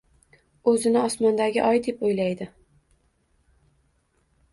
O`zini osmondagi oy, deb o`ylaydi